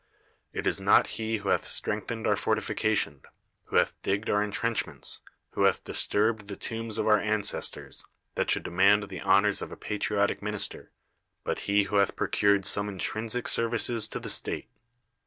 It is not he who hath strengthened our fortifications, who hath digged our intrenchments, who hath disturbed the tombs of our ancestors, that should demand the honors of a patriotic minister, but he who hath procured some intrinsic services to the state.